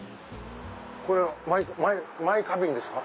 これマイ花瓶ですか？